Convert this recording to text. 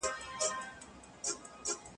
دا تعریف تر مخکني تعریف لږ بشپړ دی.